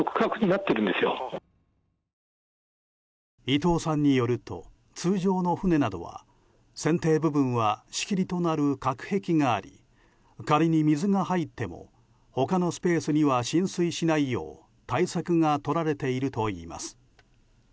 伊藤さんによると通常の船などは船底部分は仕切りとなる隔壁があり仮に水が入っても他のスペースには浸水しないよう対策が取られているといいます。